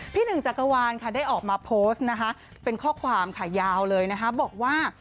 หนึ่งจักรวาลค่ะได้ออกมาโพสต์นะคะเป็นข้อความค่ะยาวเลยนะคะบอกว่า